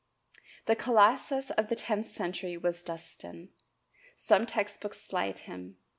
The colossus of the tenth century was Dunstan. Some text books slight him.